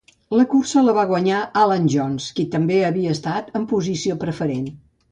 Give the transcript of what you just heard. La cursa la va guanyar Alan Jones, qui també havia estat en posició preferent.